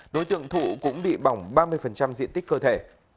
đối tượng thụ cũng bị bỏng ba mươi diện tích cơ thể